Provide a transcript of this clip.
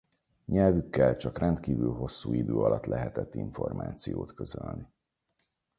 Nyelvükkel csak rendkívül hosszú idő alatt lehetett információt közölni.